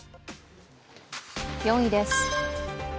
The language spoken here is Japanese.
４位です。